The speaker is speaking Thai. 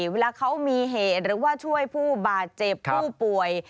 เวลาเขามีเหตุหรือว่าช่วยผู้บาดเจ็บผู้ป่วย